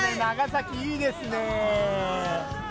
長崎いいですね！